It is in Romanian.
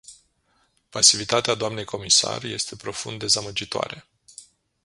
Pasivitatea dnei comisar este profund dezamăgitoare.